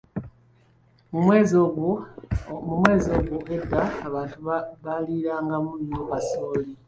Mu mwezi ogwo edda abantu baalirangamu nnyo kasooli.